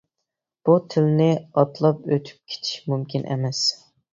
بۇ تىلنى ئاتلاپ ئۆتۈپ كېتىش مۇمكىن ئەمەس.